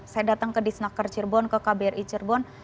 saya datang ke disnaker cirebon ke kbri cirebon